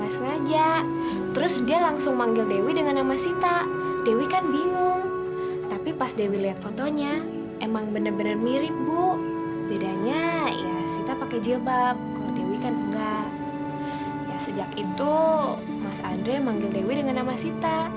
sejak itu mas andre manggil dewi dengan nama sita